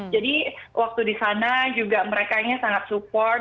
jadi waktu di sana juga mereka yang sangat support